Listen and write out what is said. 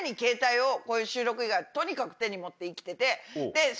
収録以外はとにかく手に持って生きてて。